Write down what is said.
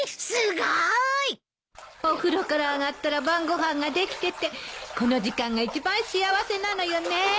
すごい！お風呂から上がったら晩ご飯ができててこの時間が一番幸せなのよね。